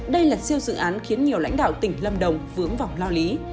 đây là siêu dự án khiến nhiều lãnh đạo tỉnh lâm đồng vướng vòng lao lý